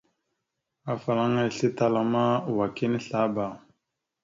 Afalaŋa islétala ma wa kini azlaba.